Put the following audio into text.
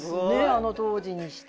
あの当時にして。